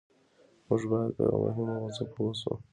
موږ بايد په يوه مهمه موضوع پوه شو.